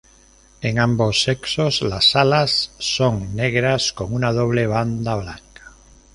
En ambos sexos, las alas son negras con una doble banda blanca.